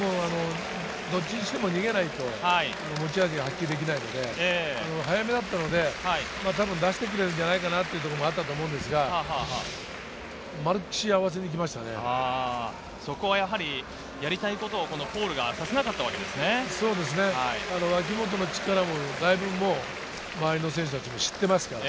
どっちにしても逃げないと持ち味が発揮できないので、早めだったので、たぶん出してくれるんじゃないかなということもあったと思うんですが、やりたいことをポールがさせ脇本の力もだいぶ周りの選手も知っていますから。